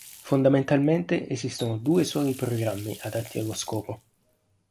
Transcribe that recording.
Fondamentalmente esistono due soli programmi adatti allo scopo.